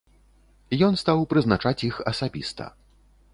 Ён стаў прызначаць іх асабіста.